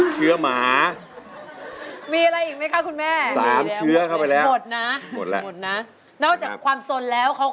เชื้อหมา